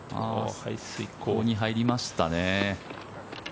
排水溝に入りましたね。